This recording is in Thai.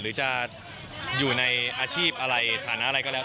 หรือจะอยู่ในอาชีพอะไรฐานะอะไรก็แล้ว